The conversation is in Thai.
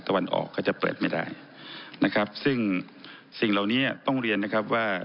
วันออกก็จะเปิดไม่ได้นะครับซึ่งสิ่งเหล่านี้ต้องเรียนนะครับว่า